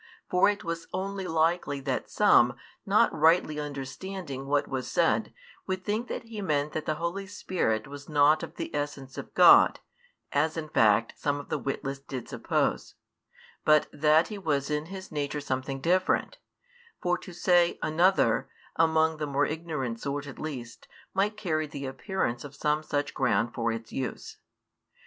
For it was only likely that some, not rightly understanding what was said, would think that He meant that the Holy Spirit was not of the essence of God (as in fact some of the witless did suppose), but that He was in His nature something different; for to say "Another," among the more ignorant sort at least, might carry the appearance of some such ground for its use.